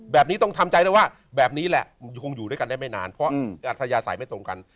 แบบนี้ต้องทำใจได้ว่าแบบนี้แหละคงอยู่ด้วยกันได้ไม่นานเพราะอัธยาศัยไม่ตรงกัน